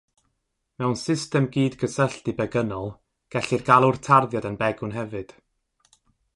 Mewn system gydgysylltu begynnol, gellir galw'r tarddiad yn begwn hefyd.